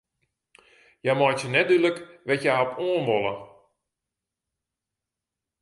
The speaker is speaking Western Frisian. Hja meitsje net dúdlik wêr't hja op oan wolle.